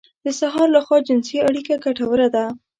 د سهار لخوا جنسي اړيکه ګټوره ده.